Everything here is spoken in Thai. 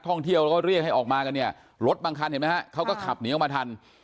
ท่องเที่ยวแล้วก็เรียกให้ออกมากันเนี่ยรถบางคันเห็นไหมฮะเขาก็ขับหนีออกมาทัน